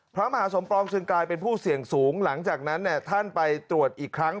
พระมหาสมปองจึงกลายเป็นผู้เสี่ยงสูงหลังจากนั้นท่านไปตรวจอีกครั้ง